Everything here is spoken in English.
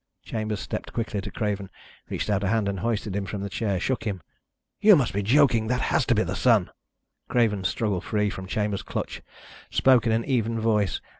Chambers stepped quickly to Craven, reached out a hand and hoisted him from the chair, shook him. "You must be joking! That has to be the Sun!" Craven shrugged free of Chambers' clutch, spoke in an even voice.